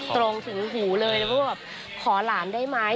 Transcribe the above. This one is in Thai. ตรงถึงหูเลยแล้วพูดว่าขอหลานได้ไหม